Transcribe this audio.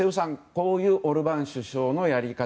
こういうオルバーン首相のやり方